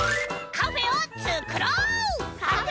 「カフェをつくろう！」